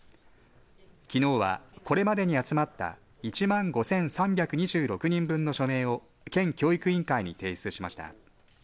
きのうはこれまでに集まった１万５３２６人分の署名を県教育委員会に提出しました。